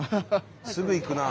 すぐ行くなあ。